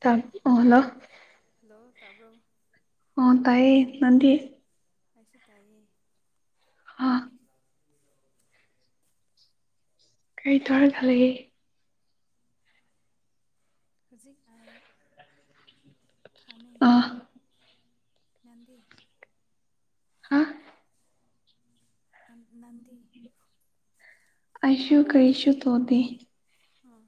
ꯇꯥ ꯍꯜꯂꫭ ꯍꯜꯂꯣ ꯇꯥꯕ꯭ꯔꯣ ꯑꯤ ꯇꯥꯏꯌꯦ ꯅꯪꯗꯤ ꯑꯩꯁꯨ ꯇꯥꯏꯌꯦ ꯑ ꯀꯔꯤ ꯇꯧꯔꯒ ꯂꯩꯌꯦ ꯍꯧꯖꯤꯛ ꯑꯩ ꯐꯥꯝꯃꯦ ꯅꯟꯗꯦ ꯍꯥ ꯅꯟ ꯅꯟꯗꯤ ꯑꯩꯁꯨꯨ ꯀꯩꯁꯨ ꯇꯣꯗꯦ ꯑꯥ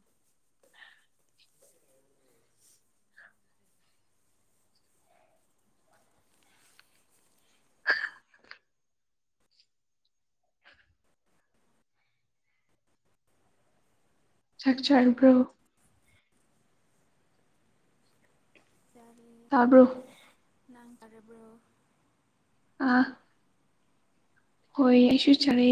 ꯆꯥꯛ ꯆꯥꯔꯕ꯭ꯔꯣ ꯆꯥꯔꯦ ꯅꯪ ꯆꯥꯔꯕ꯭ꯔꯣ ꯑꯥ ꯍꯣꯏ ꯑꯩꯁꯨ ꯆꯔꯦ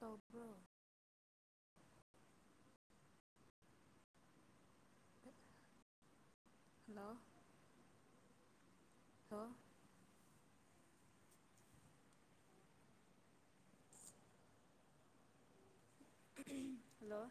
ꯇꯧꯕ꯭ꯔꯣ ꯍꯜꯂꯣ ꯊꫭ ꯍꯜꯂꯣ